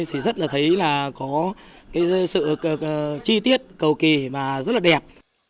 thì rất là thấy là có sự chi tiết cầu kỳ và rất là đẹp